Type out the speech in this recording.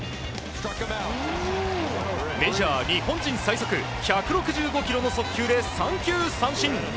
メジャー日本人最速１６５キロの速球で三球三振。